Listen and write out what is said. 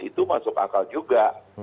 itu masuk akal juga